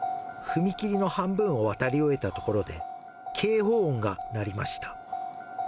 踏切の半分を渡り終えたところで、警報音が鳴りました。